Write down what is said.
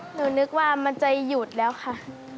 หนูนึกว่ามันจะหยุดแล้วค่ะ